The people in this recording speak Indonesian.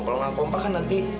kalau nggak kompak kan nanti